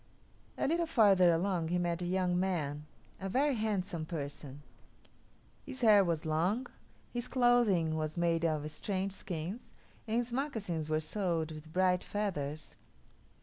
A little farther along he met a young man, a very handsome person. His hair was long; his clothing was made of strange skins, and his moccasins were sewed with bright feathers.